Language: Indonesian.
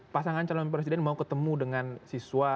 pasangan calon presiden mau ketemu dengan siswa